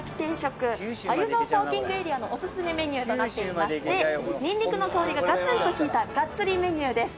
鮎沢パーキングエリアのお薦めメニューとなっていましてにんにくの香りがガツンと効いたガッツリメニューです。